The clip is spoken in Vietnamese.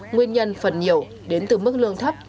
nguyên nhân phần nhiều đến từ mức lương thấp